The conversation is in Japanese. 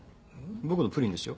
僕のプリンですよ。